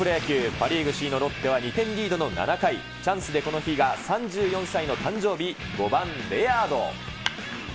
パ・リーグ首位のロッテは、２点リードの７回、チャンスでこの日が３４歳の誕生日、５番レアード。